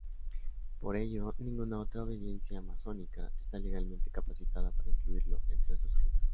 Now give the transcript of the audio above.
Por ello, ninguna otra obediencia masónica está legalmente capacitada para incluirlo entre sus ritos.